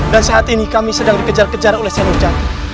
dan saat ini kami sedang dikejar kejar oleh seluruh jati